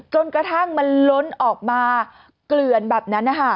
จนกระทั่งมันล้นออกมาเกลื่อนแบบนั้นนะคะ